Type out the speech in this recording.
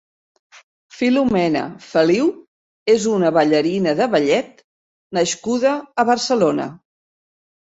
Filomena Feliu és una ballarina de ballet nascuda a Barcelona.